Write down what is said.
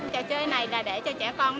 trò chơi này là để cho trẻ con